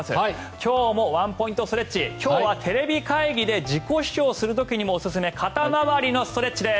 今日もワンポイントストレッチ今日はテレビ会議で自己主張する時にもおすすめ肩回りのストレッチです。